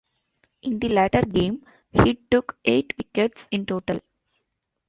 In the latter game, he took eight wickets in total.